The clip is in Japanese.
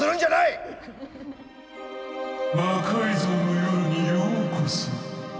「魔改造の夜」にようこそ。